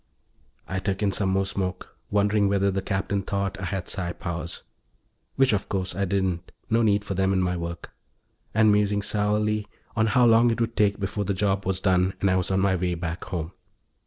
I took in some more smoke, wondering whether the Captain thought I had psi powers which, of course, I didn't; no need for them in my work and musing sourly on how long it would take before the job was done and I was on my way back home.